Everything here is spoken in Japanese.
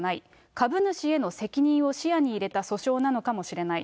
株主への責任を視野に入れた訴訟なのかもしれない。